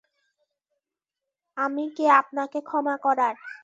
আমি কে আপনাকে ক্ষমা করার?